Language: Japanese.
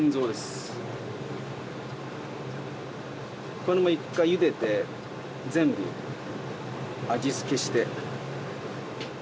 これも一回ゆでて全部味付けして。